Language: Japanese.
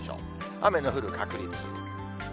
雨の降る確率。